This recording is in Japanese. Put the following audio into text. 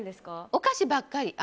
お菓子ばっかり。